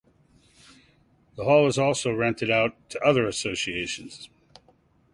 The hall is also rented out to other associations.